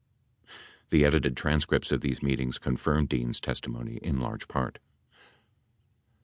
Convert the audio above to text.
93 The edited transcripts of these meetings confirm Dean's testimony in large part.